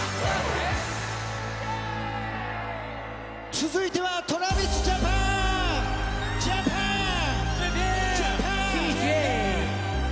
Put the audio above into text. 続いてはＴｒａｖｉｓＪａｐａｎ！